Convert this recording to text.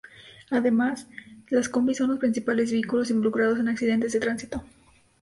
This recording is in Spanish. Además, las combis son los principales vehículos involucrados en accidentes de tránsito.